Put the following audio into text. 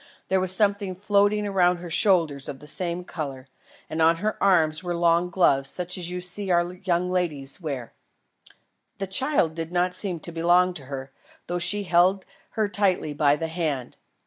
There was something floating round her shoulders of the same colour, and on her arms were long gloves such as you see our young ladies wear. The child did not seem to belong to her, though she held her tightly by the hand.